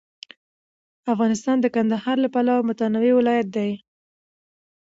افغانستان د کندهار له پلوه متنوع ولایت دی.